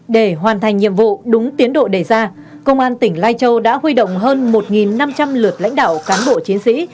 để hoàn thành nhiệm vụ đúng tiến độ đề ra công an tỉnh lai châu đã huy động hơn một năm trăm linh lượt lãnh đạo cán bộ chiến sĩ